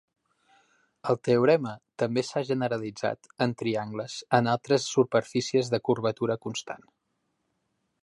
El teorema també s'ha generalitzat en triangles en altres superfícies de curvatura constant.